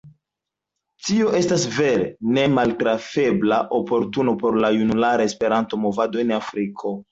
Tio estas vere nemaltrafebla oportuno por la junulara Esperanto-movado en Afriko.